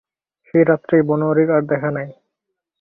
সেই রাত্রেই বনোয়ারির আর দেখা নাই।